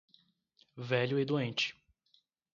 Velho e doente